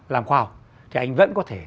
làm khoa học thì anh vẫn có thể